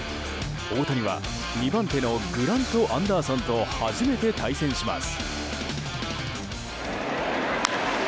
大谷は、２番手のグラント・アンダーソンと初めて対戦します。